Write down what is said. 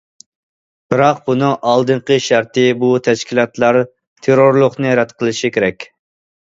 بىراق، بۇنىڭ ئالدىنقى شەرتى بۇ تەشكىلاتلار تېررورلۇقنى رەت قىلىشى كېرەك.